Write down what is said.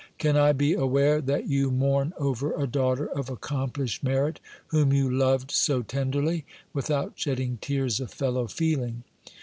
Can I be aware that you mourn over a daughter of accomplished merit, whom you loved so tenderly, without shedding tears of fellow feeling